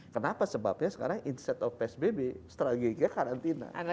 kenapa sebabnya sekarang insight of psbb strategi karantina